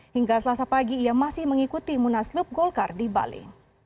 hingga selasa pagi ia masih mengikuti munaslup golkar di bali